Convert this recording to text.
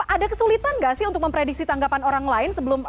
ada kesulitan nggak sih untuk memprediksi tanggapan orang lain sebelum